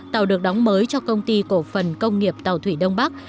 tàu được đóng mới cho công ty cổ phần công nghiệp tàu thủy đông bắc